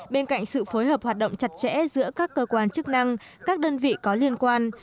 bên cạnh sự phối hợp hoạt động chặt chẽ giữa các cơ quan chức năng các đơn vị có liên quan